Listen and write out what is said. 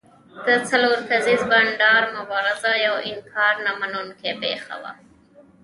د څلور کسیز بانډ مبارزه یوه انکار نه منونکې پېښه وه.